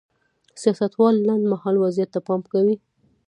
سیاستوال لنډ مهال وضعیت ته پام کوي.